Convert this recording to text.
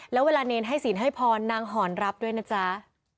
แล้วเวลาเนรให้ศีลให้พรนางหอนรับด้วยนะจ๊ะ